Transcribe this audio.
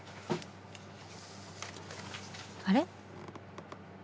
あれ？